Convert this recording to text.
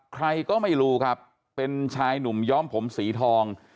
ใครก็ไม่รู้ครับเป็นชายหนุ่มย้อมผมสีทอง